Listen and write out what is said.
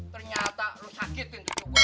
ternyata lo sakitin cucu gue